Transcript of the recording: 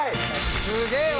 すげえわ！